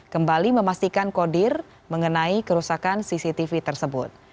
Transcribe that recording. kembali memastikan kodir mengenai kerusakan cctv tersebut